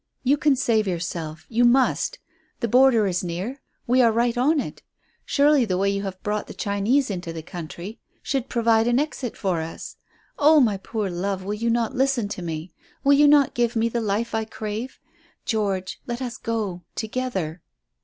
You can save yourself; you must. The border is near. We are right on it. Surely the way you have brought the Chinese into the country should provide an exit for us. Oh, my poor love, will you not listen to me? Will you not give me the life I crave? George, let us go together."